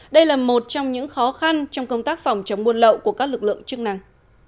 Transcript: đây là một trong những khó khăn trong công tác phòng chống buôn lậu của các lực lượng chức năng